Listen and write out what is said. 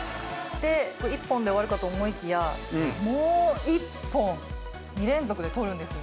１本で終わるかと思いきや、もう１本、２連続で取るんです。